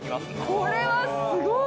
これはすごい！